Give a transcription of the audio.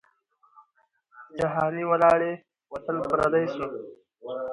جهاني ولاړې وطن پردی سو